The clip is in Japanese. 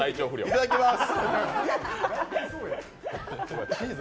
いただきます。